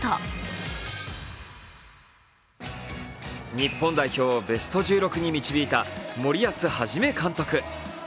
日本代表をベスト１６に導いた森保一監督。